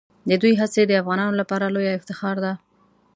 د دوی هڅې د افغانانو لپاره لویه افتخار دي.